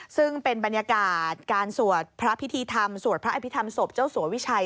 ซึ่งเป็นบรรยากาศการสวดพระพิธีธรรมสวดพระอภิษฐรรมศพเจ้าสัววิชัย